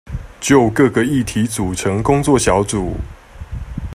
就各個議題組成工作小組